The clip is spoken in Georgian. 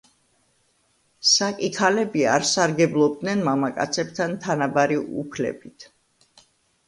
საკი ქალები არ სარგებლობდნენ მამაკაცებთან თანაბარი უფლებით.